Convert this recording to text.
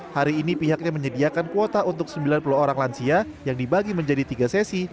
hari ini pihaknya menyediakan kuota untuk sembilan puluh orang lansia yang dibagi menjadi tiga sesi